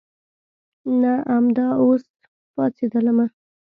نه امدا اوس پاڅېدلمه.